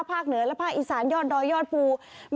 เหนือและภาคอีสานยอดดอยยอดภู